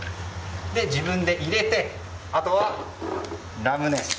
自分で入れて、あとはラムネ。